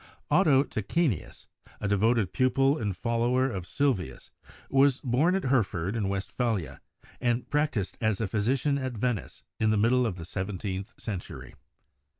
Otto Tachenius, a devoted pupil and follower of Sylvius, was born at Herford in Westphalia and practised as a physician at Venice in the middle of the seventeenth cen tury.